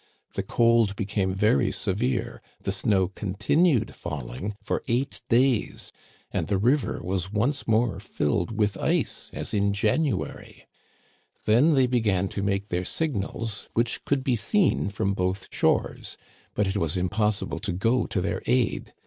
The cold became very severe, the snow continued falling for eight days, and the river was once more filled with ice as in January. 9 Digitized by VjOOQIC 130 THE CANADIANS OF OLD, Then they began to make their signals, which could be seen from both shores ; but it was impossible to go to their aid.